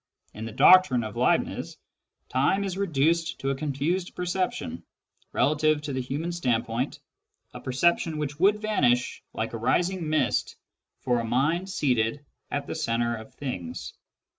In the doctrine of Leibniz, time is reduced to a confused perception, relative to the human standpoint, a perception which would vanish, like a rising mist, for a mind seated at the centre of things.